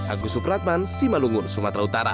agus subratman sima lungun sumatera utara